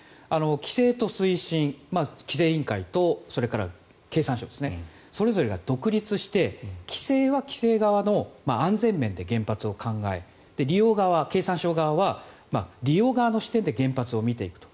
規制と推進規制委員会とそれから経産省それぞれが独立して規制は規制側の安全面で原発を考え利用側、経産省側は利用側の視点で原発を見ていくと。